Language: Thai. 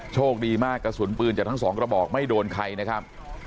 โชคดีมากกระสุนปืนจากทั้งสองกระบอกไม่โดนใครนะครับ